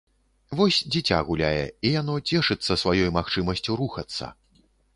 Вось, дзіця гуляе, і яно цешыцца сваёй магчымасцю рухацца.